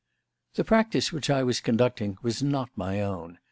The practice which I was conducting was not my own.